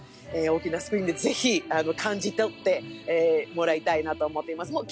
大きなスクリーンでぜひ感じ取ってもらいたいと思っています。